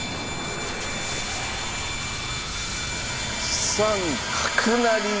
１三角成。